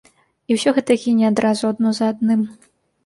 І ўсё гэта гіне адразу адно за адным.